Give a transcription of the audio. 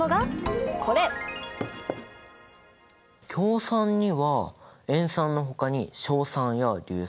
強酸には塩酸のほかに硝酸や硫酸。